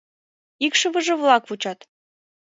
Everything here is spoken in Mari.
Икшывыже-влак вучат.